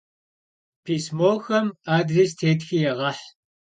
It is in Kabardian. Pismoulhem adrês têtxi yêğeh.